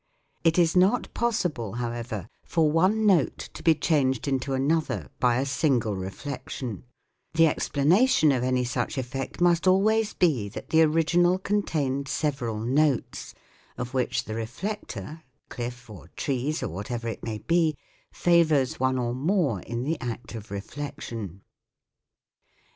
It is not possible, however, for one note to be changed into another by a single reflection : the explanation of any such effect must always be that the original contained several notes, of which the reflector cliff or trees or whatever it may be favours one or more in the act of reflection.